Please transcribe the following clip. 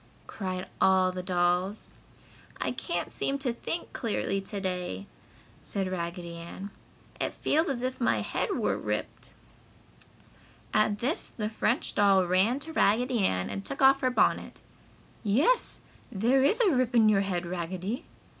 cried all the dolls. "I can't seem to think clearly to day," said Raggedy Ann. "It feels as if my head were ripped." At this the French doll ran to Raggedy Ann and took off her bonnet. "Yes, there is a rip in your head, Raggedy!"